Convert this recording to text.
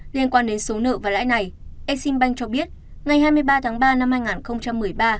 liên quan đến số nợ và lãi này exim bank cho biết ngày hai mươi ba tháng ba năm hai nghìn một mươi ba